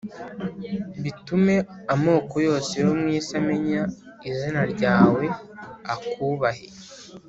bitume amoko yose yo mu isi amenya izina ryawe, akubahe,